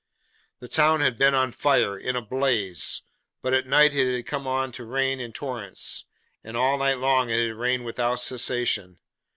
The town had been on fire; in a blaze. But at night it had come on to rain in torrents, and all night long it had rained without cessation.